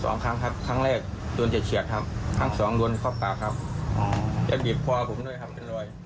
สองครั้งครับครั้งแรกโดนเฉียดครับครั้งสองโดนเข้าปากครับจะบีบคอผมด้วยครับเป็นรอย